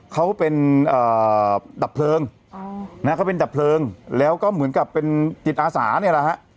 เขาเป็นดับเพลิงแล้วก็เหมือนกับเป็นจิตอาสาเนี่ยนะฮะ